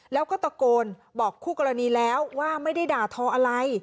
แล้วก็ตะโกนบอกคู่กรณีแล้วว่าไม่ได้ด่าทออะไร